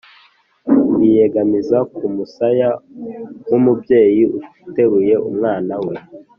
mbiyegamiza ku musaya nk’umubyeyi uteruye umwana we,